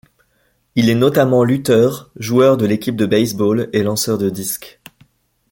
Il est notamment lutteur, joueur de l'équipe de baseball et lanceur de disques.